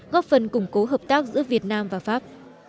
góp phần củng cố hợp tác giữa việt nam và pháp